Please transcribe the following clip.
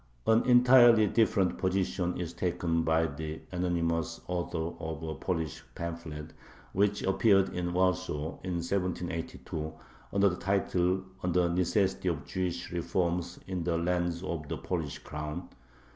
An entirely different position is taken by the anonymous author of a Polish pamphlet which appeared in Warsaw in 1782 under the title, "On the Necessity of Jewish Reforms in the Lands of the Polish Crown."